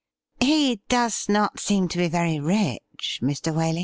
' He does not seem to be very rich — Mr. Waley.'